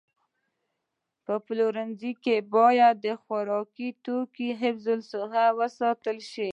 په پلورنځي کې باید د خوراکي توکو حفظ الصحه وساتل شي.